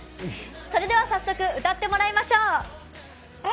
それでは早速、歌ってもらいましょう。